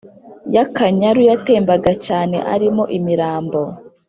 y’akanyaru yatembaga cyane arimo imirambo